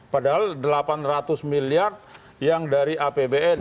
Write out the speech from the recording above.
padahal delapan ratus miliar yang dari apbn